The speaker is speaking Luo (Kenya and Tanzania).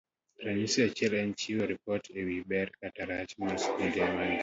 Ranyisi achiel en chiwo ripot e wi ber kata rach mag skunde ma ji